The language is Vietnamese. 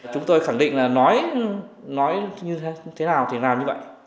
chúng tôi khẳng định là nói như thế nào thì làm như vậy